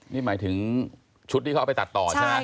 นี่หมายถึงชุดที่เขาเอาไปตัดต่อใช่ไหม